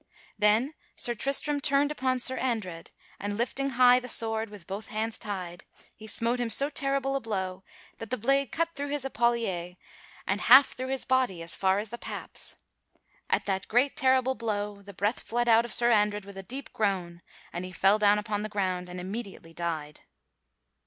Then Sir Tristram turned upon Sir Andred, and lifting high the sword with both hands tied, he smote him so terrible a blow that the blade cut through his epulier and half through his body as far as the paps. At that great terrible blow the breath fled out of Sir Andred with a deep groan, and he fell down upon the ground and immediately died.